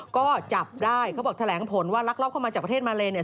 ก็จับได้เขาบอกแถลงผลว่าลักลอบเข้ามาจากประเทศมาเลเนี่ย